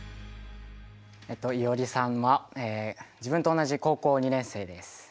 いおりさんは自分と同じ高校２年生です。